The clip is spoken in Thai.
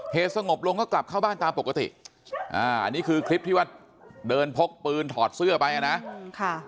สงบลงก็กลับเข้าบ้านตามปกติอันนี้คือคลิปที่ว่าเดินพกปืนถอดเสื้อไปอ่ะนะค่ะ